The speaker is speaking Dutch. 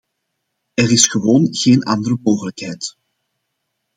Er is gewoon geen andere mogelijkheid.